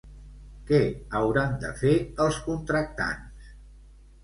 Què hauran de fer els contractants?